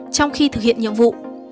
trong khi thực hiện nhiệm vụ